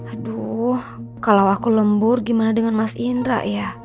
aduh kalau aku lembur gimana dengan mas indra ya